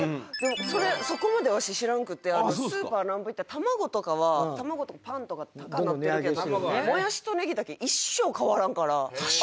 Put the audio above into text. それそこまでわし知らんくてスーパーなんか行ったら卵とかは卵とかパンとか高なってるけどもやしとネギだけ一生変わらんから「あれ？」。